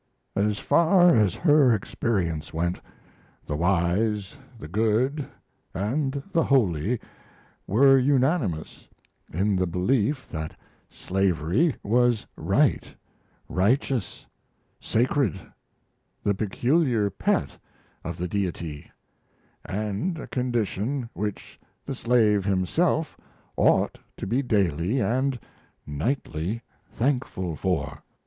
As far as her experience went, the wise, the good, and the holy were unanimous in the belief that slavery was right, righteous, sacred, the peculiar pet of the Deity, and a condition which the slave himself ought to be daily and nightly thankful for."